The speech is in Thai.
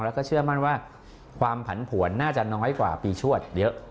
แล้วก็เชื่อมั่นว่าความผันผวนน่าจะน้อยกว่าปีชวดเยอะ